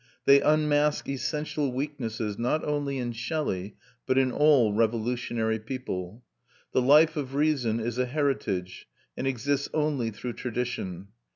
They unmask essential weaknesses not only in Shelley, but in all revolutionary people. The life of reason is a heritage and exists only through tradition.